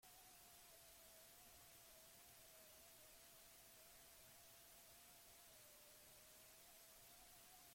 Ez dute ezer garbi ateratzen umearen izebarekin gurutzatutako datuen argitara.